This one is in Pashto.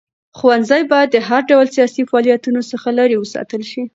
ښوونځي باید د هر ډول سیاسي فعالیتونو څخه لرې وساتل شي.